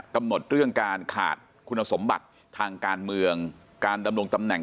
กำหนดเรื่องการขาดคุณสมบัติทางการเมืองการดำรงตำแหน่ง